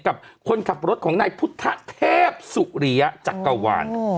กับคนขับรถของนายพุทธเทพสุริยะจักรวาล